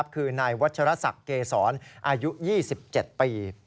คือนายวัชรศักดิ์เกษรอายุ๒๗ปี